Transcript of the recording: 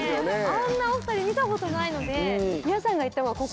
あんなお二人見たことないので。